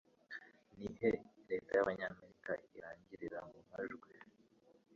Nihe Leta y'Abanyamerika irangirira mu majwi